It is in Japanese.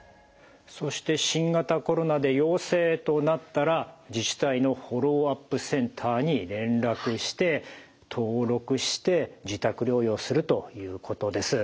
そして新型コロナで陽性となったら自治体のフォローアップセンターに連絡して登録して自宅療養するということです。